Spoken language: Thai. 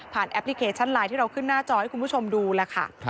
แอปพลิเคชันไลน์ที่เราขึ้นหน้าจอให้คุณผู้ชมดูแล้วค่ะ